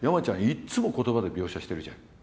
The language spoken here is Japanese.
いっつも言葉で描写してるじゃん。